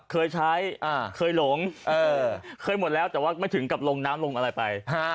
เคยใช้เคยหลงเคยหมดแล้วแต่ว่าไม่ถึงกับลงน้ำลงอะไรไป